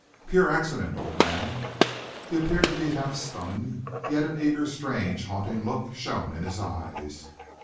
"Pure accident, old man." He appeared to be half stunned, yet an eager, strange, haunting look shone in his eyes.